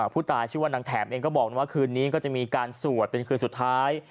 ชื่อว่านางแถบเองก็บอกว่าคืนนี้ก็จะมีการสวดเป็นคืนสุดท้าย